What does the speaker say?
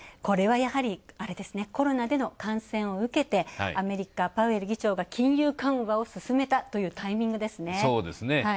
これはやはり、コロナでの感染を受けてアメリカ、パウエル議長が金融緩和を進めたというタイミングですね。